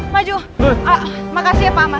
makasih ya pak amar